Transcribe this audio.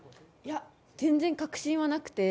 全然、確信はなくて。